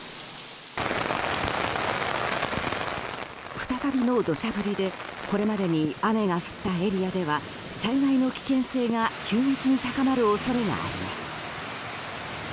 再びの土砂降りでこれまでに雨が降ったエリアでは災害の危険性が急激に高まる恐れがあります。